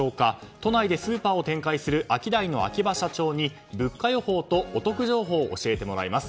都内でスーパーを展開するアキダイの秋葉社長に物価予報とお得情報を教えてもらいます。